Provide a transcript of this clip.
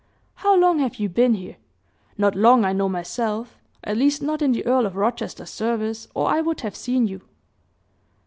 How long have you been here? Not long, I know myself at least, not in the Earl of Rochester's service, or I would have seen you."